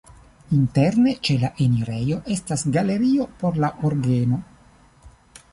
Interne ĉe la enirejo estas galerio por la orgeno.